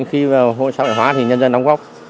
khi xã hội hóa thì nhân dân đóng góc